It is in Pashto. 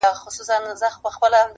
لکه وېره د لستوڼي له مارانو -